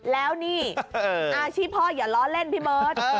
แล้วนี่อาชีพพ่ออย่าล้อเล่นพี่เบิร์ต